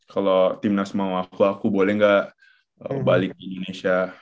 kalau timnas mau aku aku boleh gak balik indonesia